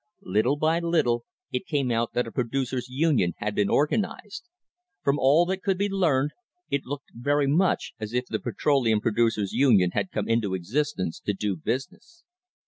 Little by little it came out that a Producers' Union had been organised. From all that could be learned it looked very much as if the Petro leum Producers' Union had come into existence to do business.